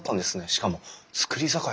しかも造り酒屋！